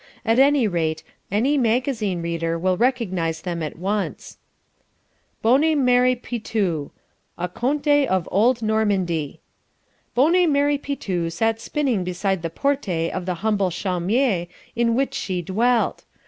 At any rate, any magazine reader will recognize them at once: BONNE MERE PITOU A Conte of Old Normandy Bonne Mere Pitou sat spinning beside the porte of the humble chaumiere in which she dwelt.